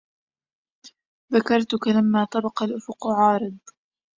ذكرتك لما طبق الأفق عارض